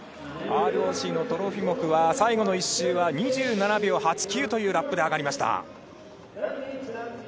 ＲＯＣのトロフィモフは最後の１周は２７秒８９というラップで上がりました。